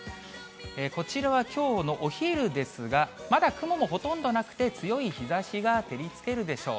こちらはきょうのお昼ですが、まだ雲もほとんどなくて、強い日ざしが照りつけるでしょう。